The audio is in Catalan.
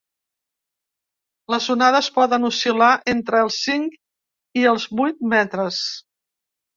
Les onades poden oscil·lar entre els cinc i els vuit metres.